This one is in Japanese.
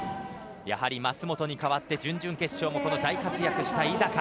やはり舛本に代わって準々決勝も大活躍した井坂。